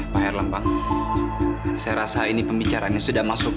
pak herlambang saya rasa ini pembicaraannya sudah masuk ke wilayahnya